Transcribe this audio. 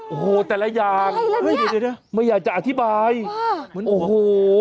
โอ้โหแต่ละอย่างอะไรละเนี่ยไม่อยากจะอธิบายโอ้โห